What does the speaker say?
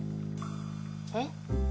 えっ？